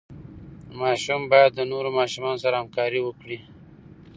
ماشوم باید د نورو ماشومانو سره همکاري وکړي.